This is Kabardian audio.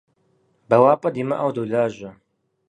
Бэуапӏэ димыӏэу долажьэ.